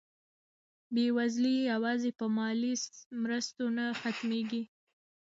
بېوزلي یوازې په مالي مرستو نه ختمېږي.